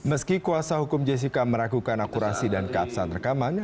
meski kuasa hukum jessica meragukan akurasi dan keabsahan rekaman